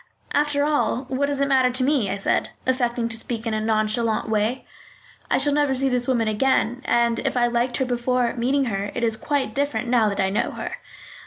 "After all, what does it matter to me?" I said, affecting to speak in a nonchalant way. "I shall never see this woman again, and if I liked her before meeting her, it is quite different now that I know her."